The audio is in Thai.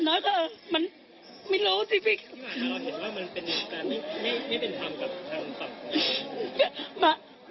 แล้วก็ดูพวกเราเป็นตายต้องเท่าไรอะ